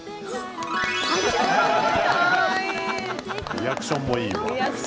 リアクションもいいわ。